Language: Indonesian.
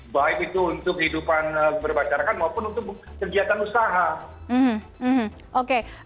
baik itu untuk kehidupan berbacarakan maupun untuk kegiatan usaha